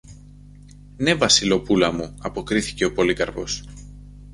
Ναι, Βασιλοπούλα μου, αποκρίθηκε ο Πολύκαρπος.